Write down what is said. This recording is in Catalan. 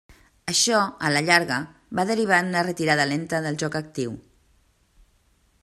Això a la llarga va derivar en una retirada lenta del joc actiu.